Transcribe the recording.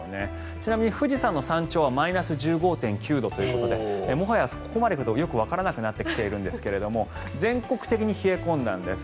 ちなみに富士山の山頂はマイナス１５．９度ということでもはや、ここまで来るとよくわからないんですけども全国的に冷え込んだんです。